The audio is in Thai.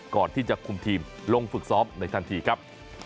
ก่อนที่จะคุมทีมลงฝึกซ้อมในทันทีครับ